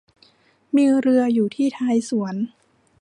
มีเรืออยู่ที่ท้ายสวน